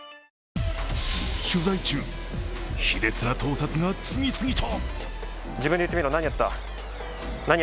取材中、卑劣な盗撮が次々と。